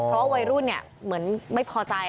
เพราะวัยรุ่นเหมือนไม่พอใจ